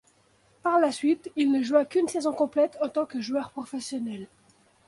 Par la suite, il ne joua qu'une saison complète en tant que joueur professionnel.